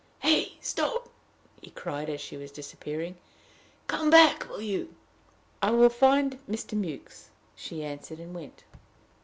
"Hey! stop," he cried, as she was disappearing. "Come back, will you?" "I will find Mr. Mewks," she answered, and went.